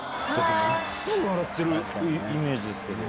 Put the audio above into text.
いつも笑ってるイメージです